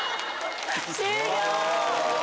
終了！